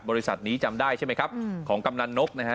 บริษัทนี้จำได้ใช่ไหมครับของกำนันนกนะฮะ